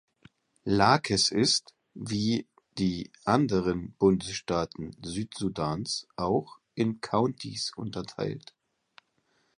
Lakes ist, wie die anderen Bundesstaaten Südsudans auch, in Counties unterteilt.